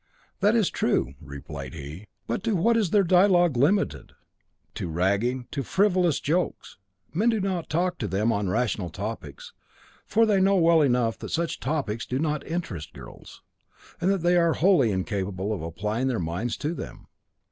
"That is true," replied he. "But to what is their dialogue limited? to ragging, to frivolous jokes. Men do not talk to them on rational topics, for they know well enough that such topics do not interest girls, and that they are wholly incapable of applying their minds to them.